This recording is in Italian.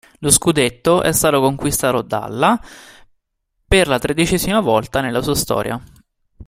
Lo scudetto è stato conquistato dalla per la tredicesima volta nella sua storia.